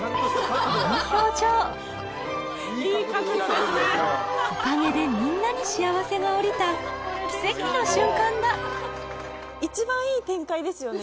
この表情おかげでみんなに幸せが降りた奇跡の瞬間だ一番いい展開ですよね。